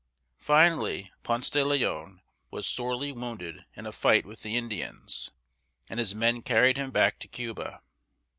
Finally Ponce de Leon was sorely wounded in a fight with the Indians, and his men carried him back to Cuba.